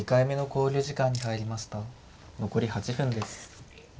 残り８分です。